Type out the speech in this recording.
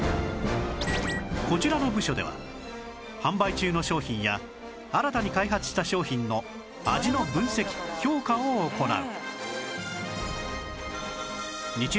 こちらの部署では販売中の商品や新たに開発した商品の味の分析・評価を行う